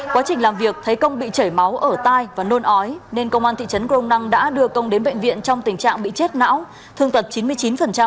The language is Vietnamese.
quá trình làm việc thấy công bị chảy máu ở tai và nôn ói nên công an thị trấn crong năng đã đưa công đến bệnh viện trong tình trạng bị chết não thương tật chín mươi chín